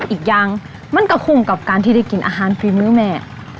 อีกอย่างมันก็คุ้มกับการที่ได้กินอาหารฝีมือแม่